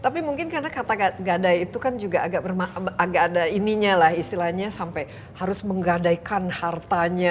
tapi mungkin karena kata gadai itu kan juga agak ada ininya lah istilahnya sampai harus menggadaikan hartanya